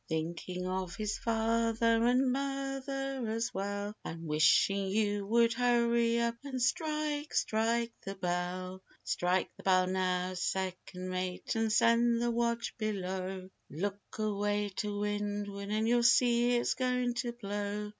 Thinking of his father, and mother as well, And wishing you would hurry up, and strike, strike the bell! Refrain: Strike the bell now, second mate, and send the watch below, Look away to windward and you'll see it's going to blow.